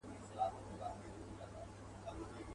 یوې جگي گڼي وني ته سو پورته.